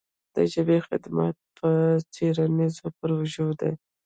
د ژبې خدمت په څېړنیزو پروژو دی.